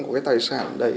của cái tài sản đấy